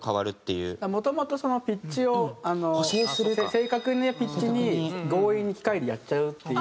正確なピッチに強引に機械でやっちゃうっていう。